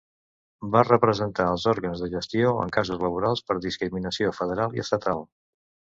Va representar els òrgans de gestió en casos laborals per discriminació federal i estatal.